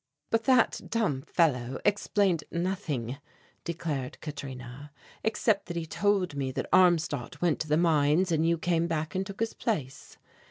"But that dumb fellow explained nothing," declared Katrina, "except that he told me that Armstadt went to the mines and you came back and took his place.